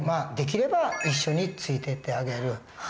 できれば一緒についてってあげる。